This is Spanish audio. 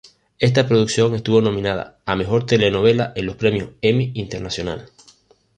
Esta producción estuvo nominada a mejor telenovela en los Premios Emmy Internacional.